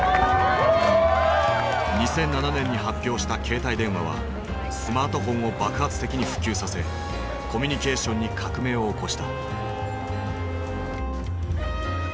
２００７年に発表した携帯電話はスマートフォンを爆発的に普及させコミュニケーションに革命を起こした。